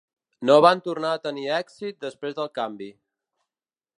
No van tornar a tenir èxit després del canvi.